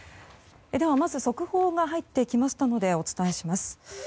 ではまず速報が入ってきましたのでお伝えします。